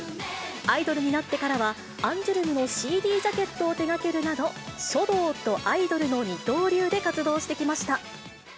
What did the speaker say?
アイドルになってからは、アンジュルムのＣＤジャケットを手がけるなど、書道とアイドルの二刀流で活動してきました。